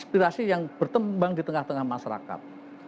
aspirasi yang berkembang di tengah tengah masyarakat